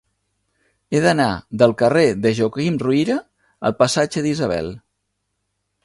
He d'anar del carrer de Joaquim Ruyra al passatge d'Isabel.